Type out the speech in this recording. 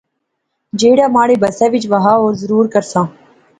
جہیڑا مہاڑے بس وچ وہا اور ضرور کرساں